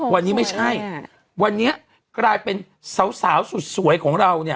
วันนี้ไม่ใช่วันนี้กลายเป็นสาวสวยของเรา